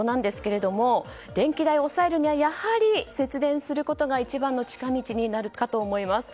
電気代を抑えるにはやはり節電することが一番の近道になるかと思います。